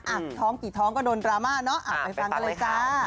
ท้องกี่ท้องก็โดนดราม่าเนอะไปฟังกันเลยจ้า